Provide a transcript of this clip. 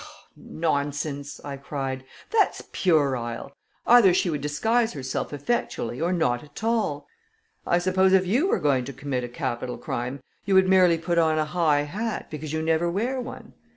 "Oh, nonsense!" I cried. "That's puerile. Either she would disguise herself effectually or not at all. I suppose if you were going to commit a capital crime, you would merely put on a high hat, because you never wear one!